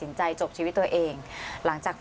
อันดับที่สุดท้าย